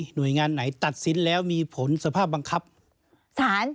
หน่วยงานไหนตัดสินแล้วมีผลสภาพบังคับสาร